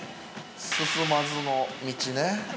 ◆進まずの道ね。